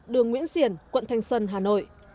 đường nguyễn xiển quận thanh xuân hà nội